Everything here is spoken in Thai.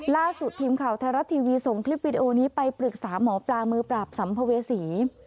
ล่าสุดทีมข่าวไทยรัฐทีวีส่งคลิปวิดีโอนี้ไปปรึกษาหมอปลามือปราบสัมภเวษี